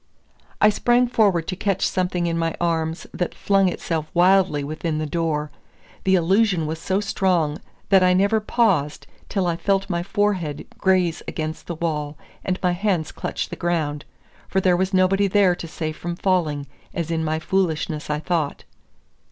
I sprang forward to catch something in my arms that flung itself wildly within the door. The illusion was so strong, that I never paused till I felt my forehead graze against the wall and my hands clutch the ground, for there was nobody there to save from falling, as in my foolishness I thought.